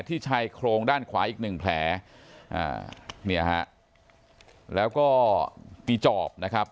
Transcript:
ชายโครงด้านขวาอีกหนึ่งแผลอ่าเนี่ยฮะแล้วก็ตีจอบนะครับ